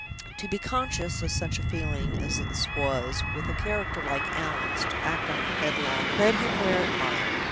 To be conscious of such a feeling as this was, with a character like Allan's, to act on it headlong, lead him where it might.